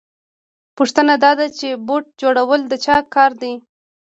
پوښتنه دا ده چې بوټ جوړول د چا کار دی